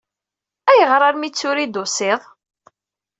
Ayɣer armi d tura i d-tusiḍ?